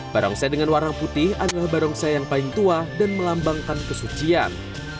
barongsai dengan warna putih adalah barongsai yang paling tua dan melambangkan kesucian